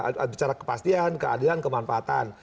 ada cara kepastian keadilan kemanfaatan